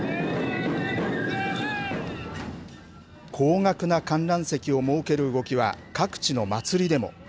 高額な観覧席を設ける動きは各地の祭りでも。